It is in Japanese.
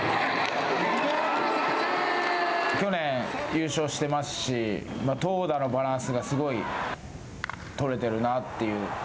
去年優勝してますし投打のバランスがすごい取れてるなっていう。